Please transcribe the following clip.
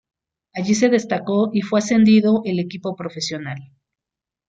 Allí se destacó y fue ascendido el equipo profesional.